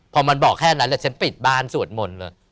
พอมันบอกแค่นั้นแหละฉันปิดบ้านสวดมนต์เลย